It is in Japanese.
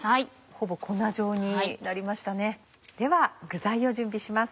ほぼ粉状になりましたねでは具材を準備します。